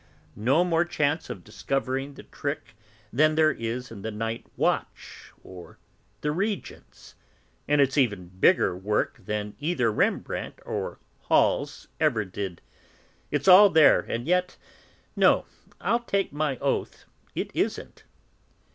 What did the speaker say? "No more chance of discovering the trick than there is in the 'Night Watch,' or the 'Regents,' and it's even bigger work than either Rembrandt or Hals ever did. It's all there, and yet, no, I'll take my oath it isn't."